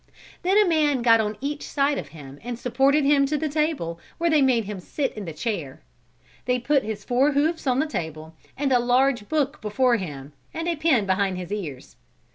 Then a man got on each side of him and supported him to the table where they made him sit in the chair. They put his forehoofs on the table and a large book before him and a pen behind his ears.